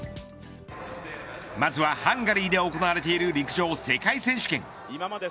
まずは、ハンガリーで行われている陸上世界選手権。